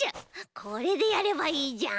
これでやればいいじゃん！